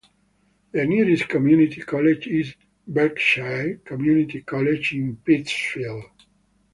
The nearest community college is Berkshire Community College in Pittsfield.